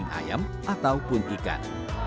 mungkin ayam ataupun ikan